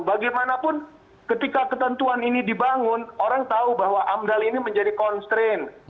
bagaimanapun ketika ketentuan ini dibangun orang tahu bahwa amdal ini menjadi constraint